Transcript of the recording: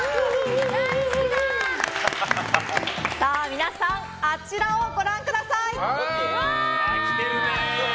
皆さん、あちらをご覧ください。来てるね。